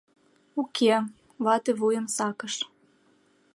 — Уке... — вате вуйым сакыш.